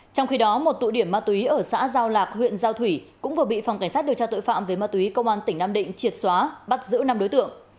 trong khi đó một tụ điểm ma túy ở xã giao lạc huyện giao thủy cũng vừa bị phòng cảnh sát điều tra tội phạm về ma túy công an tỉnh nam định triệt xóa bắt giữ năm đối tượng